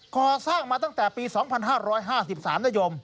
ก่อสร้างมาตั้งแต่ปี๒๕๕๓นโยม